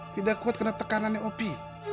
tidak kuat karena tekanannya opi